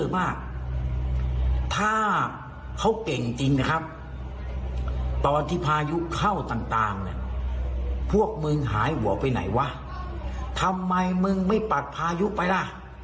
มันหายหัวไปไหนวะทำไมมึงไม่ปัดพายุไปล่ะ